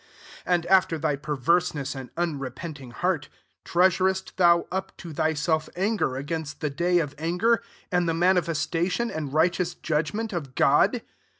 5 and, after thy perverseness and unrepenting heart, treasurest thou up to thyself anger against the day of anger, and the manifestation andrighteous judgment of God